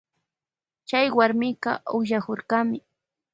Chay warmika ukllakurkami.